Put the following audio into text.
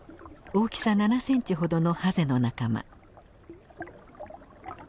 大きさ７ｃｍほどのハゼの仲間。